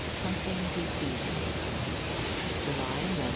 SOMETHING DEFEASIBLE July, 1919.